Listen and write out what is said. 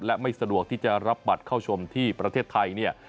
และไม่สะดวกที่จะรับบัตรเข้าชมที่ประเทศไทยเนี่ย